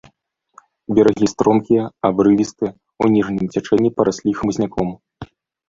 Берагі стромкія, абрывістыя, у ніжнім цячэнні параслі хмызняком.